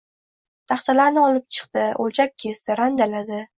Taxtalarni olib chiqdi, o`lchab kesdi, randaladi